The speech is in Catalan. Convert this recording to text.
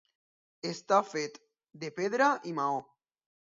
Està fet de pedra i maó.